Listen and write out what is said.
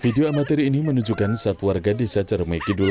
video amatir ini menunjukkan satu warga desa cermekidul